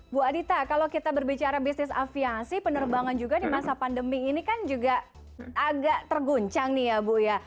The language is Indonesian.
bu adita kalau kita berbicara bisnis aviasi penerbangan juga di masa pandemi ini kan juga agak terguncang nih ya bu ya